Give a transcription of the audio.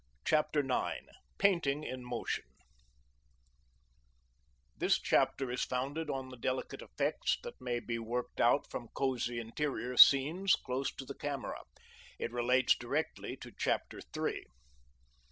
CHAPTER IX PAINTING IN MOTION This chapter is founded on the delicate effects that may be worked out from cosy interior scenes, close to the camera. It relates directly to chapter three.